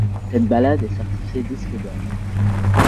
Cette ballade est certifiée disque d'or.